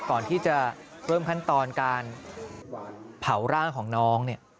ก่อนที่จะเริ่มขั้นตอนการเผาร่างของน้องเนี่ย